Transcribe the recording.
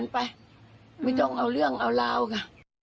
ไปไม่ต้องเอาเรื่องเอาเล่าค่ะ